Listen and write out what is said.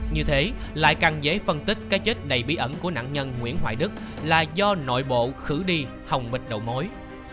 như thế lại càng dễ phân tích cái chết đầy bí ẩn của nạn nhân nguyễn hoài đức là do nội bộ khử đi hồng mịch đậu mối